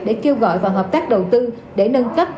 để kêu gọi và hợp tác đầu tư để nâng cấp